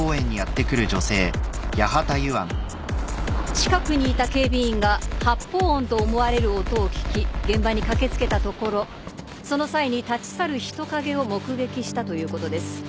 近くにいた警備員が発砲音と思われる音を聞き現場に駆け付けたところその際に立ち去る人影を目撃したということです。